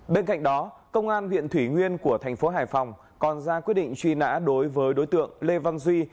bên cạnh đó công an huyện thủy nguyên của thành phố hải phòng còn ra quyết định truy nã đối với đối tượng lê văn duy